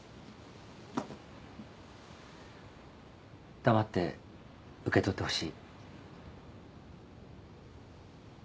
・黙って受け取ってほしい。